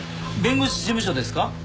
弁護士事務所ですか？